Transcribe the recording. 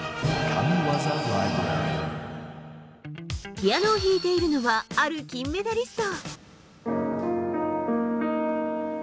ピアノを弾いているのはある金メダリスト。